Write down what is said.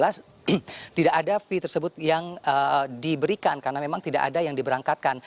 nah ini adalah hal yang tersebut yang diberikan karena memang tidak ada yang diberangkatkan